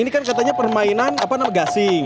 ini kan katanya permainan gasing